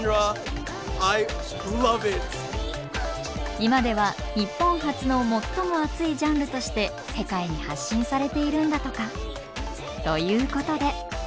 今では日本発の最も熱いジャンルとして世界に発信されているんだとか。ということで。